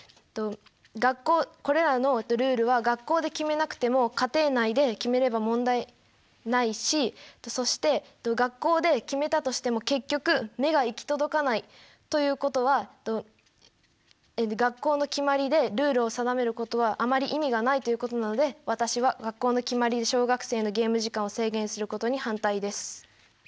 学校これらのルールは学校で決めなくても家庭内で決めれば問題ないしそして学校で決めたとしても結局目が行き届かないということは学校の決まりでルールを定めることはあまり意味がないということなので私は学校の決まりで小学生のゲーム時間を制限することに反対です。